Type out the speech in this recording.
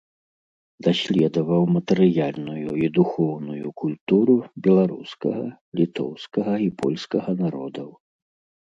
Даследаваў матэрыяльную і духоўную культуру беларускага, літоўскага і польскага народаў.